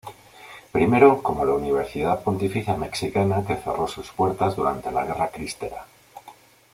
Primero como la Universidad Pontificia Mexicana que cerró sus puertas durante la Guerra Cristera.